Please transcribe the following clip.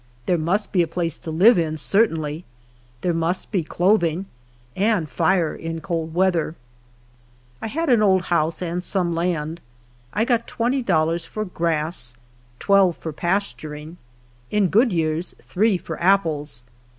There must be a place to live in, certainly ; there must be clothing, and fire in cold weather. T had an old house and some land. I <iOt twenty dollars for grass, twelve for pasturing ; in good years, three for apples.